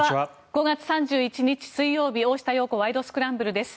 ５月３１日、水曜日「大下容子ワイド！スクランブル」です。